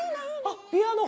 ピアノ？